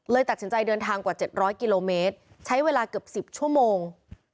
ตัดสินใจเดินทางกว่า๗๐๐กิโลเมตรใช้เวลาเกือบ๑๐ชั่วโมง